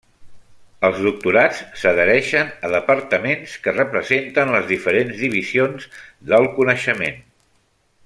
Els doctorats s'adhereixen a departaments que representen les diferents divisions del coneixement.